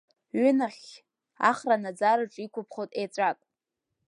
Ҩынахьхь, ахра анаӡараҿ, иқәыԥхоит еҵәак.